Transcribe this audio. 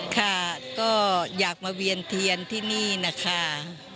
ค่ะก็อยากมาเวียนเทียนที่นี่นะคะ